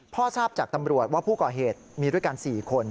ทราบจากตำรวจว่าผู้ก่อเหตุมีด้วยกัน๔คน